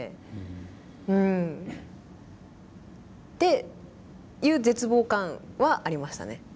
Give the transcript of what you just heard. っていう絶望感はありましたね。